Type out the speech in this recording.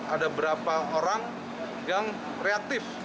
ada berapa orang yang reaktif